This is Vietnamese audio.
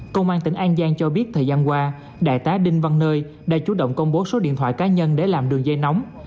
công an tỉnh an giang cho biết thời gian qua đại tá đinh văn nơi đã chú động công bố số điện thoại cá nhân để làm đường dây nóng